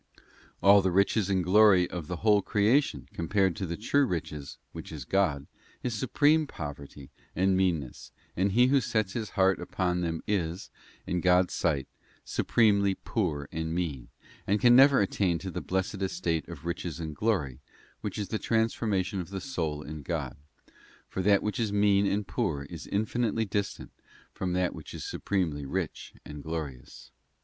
All the riches and glory of the whole creation compared with the true riches, which is God, is supreme poverty and meanness, and he who sets his heart upon them is, in God's sight, supremely poor and mean, and can never attain to the blessed estate of riches and glory, which is the transfor mation of the soul in God; for that which is mean and poor is infinitely distant from that which is supremely rich and glorious.